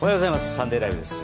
「サンデーＬＩＶＥ！！」です。